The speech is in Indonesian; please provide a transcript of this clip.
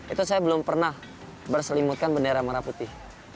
itu saya belum pernah berselimutkan bendera merah putih